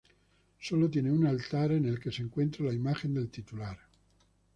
Sólo tiene un altar en el que se encuentra la imagen del titular.